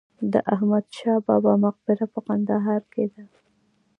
د احمد شاه بابا مقبره په کندهار کې ده